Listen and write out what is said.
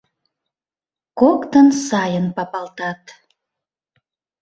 Коктын сайын папалтат.